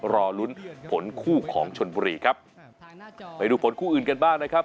รอลุ้นผลคู่ของชนบุรีครับไปดูผลคู่อื่นกันบ้างนะครับ